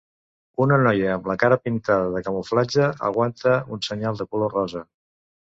Una noia amb la cara pintada de camuflatge aguanta un senyal de color rosa.